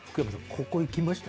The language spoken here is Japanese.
ここ行きました？